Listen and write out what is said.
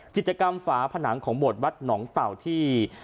กิจกรรมฝาผนังของโบสถวัดหนองเต่าที่